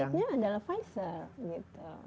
pemiliknya adalah pfizer gitu